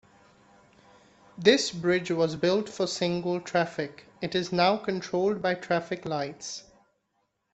This bridge was built for single traffic, it is now controlled by traffic lights.